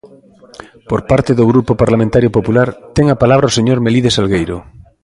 Por parte do Grupo Parlamentario Popular, ten a palabra o señor Melide Salgueiro.